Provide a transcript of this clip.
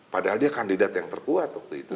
padahal dia kandidat yang terkuat waktu itu